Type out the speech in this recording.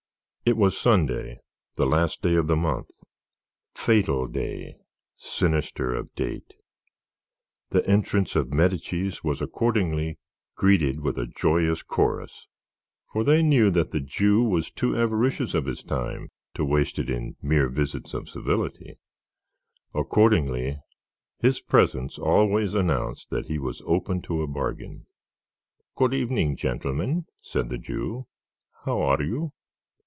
It was Sunday, the last day of the month. Fatal day, sinister of date! The entrance of Medicis was accordingly greeted with a joyous chorus, for they knew that the Jew was too avaricious of his time to waste it in mere visits of civility; accordingly his presence always announced that he was open to a bargain. "Good evening, gentlemen," said the Jew; "how are you?"